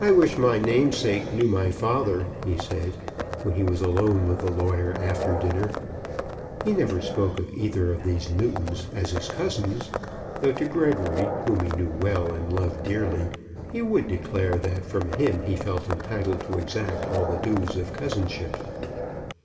"I wish my namesake knew my father," he said, when he was alone with the lawyer after dinner. He never spoke of either of these Newtons as his cousins, though to Gregory, whom he knew well and loved dearly, he would declare that from him he felt entitled to exact all the dues of cousinship.